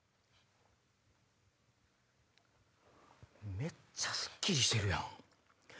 めっちゃスッキリしてるやん。